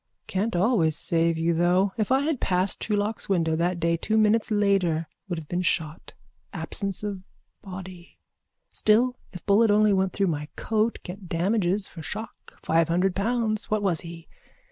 Can't always save you, though. If I had passed Truelock's window that day two minutes later would have been shot. Absence of body. Still if bullet only went through my coat get damages for shock, five hundred pounds. What was he?